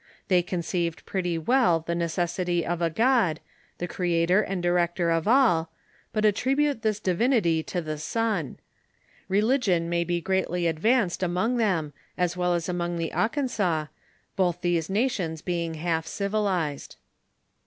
Tliey conceived pretty well the necessity of a God, the creator and director of all, but attribute this di vinity to the sun. Religion may be greatly advanced among them, as well as among the Akansas, both these nations being half civilized.